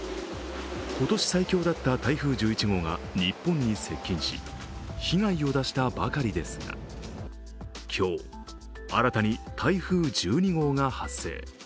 今年最強だった台風１１号が日本に接近し被害を出したばかりですが、今日、新たに台風１２号が発生。